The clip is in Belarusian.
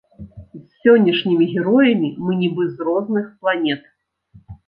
З сённяшнімі героямі мы нібы з розных планет.